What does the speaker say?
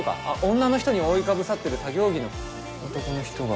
女の人に覆いかぶさってる作業着の男の人が。